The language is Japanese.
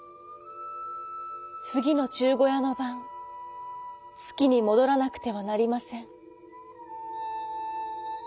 つぎのじゅうごやのばんつきにもどらなくてはなりません」。